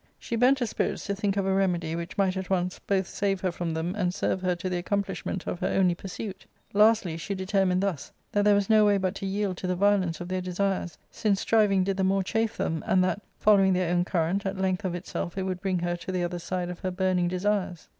She bent her spirits to think of a remedy which might at once both save her from them and serve her to the accomplishment of her only pursuit Lastly, she determined thus, that there was no way but to yield to the violence of their desires, since striving did the more chafe them, and that, following their own current, at length of itself it would bring her to the other side of her burning desires.